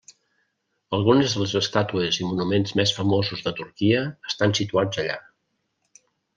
Algunes de les estàtues i monuments més famosos de Turquia estan situats allà.